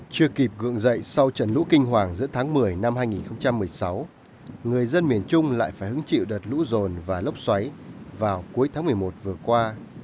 chưa kịp gượng dậy sau trận lũ kinh hoàng giữa tháng một mươi năm hai nghìn một mươi sáu người dân miền trung lại phải hứng chịu đợt lũ rồn và lốc xoáy vào cuối tháng một mươi một vừa qua